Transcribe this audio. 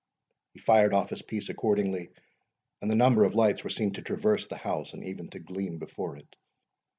He fired off his piece accordingly, and the number of lights were seen to traverse the house, and even to gleam before it.